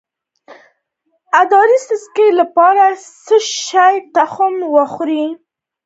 د ادرار د څڅیدو لپاره د څه شي تخم وخورم؟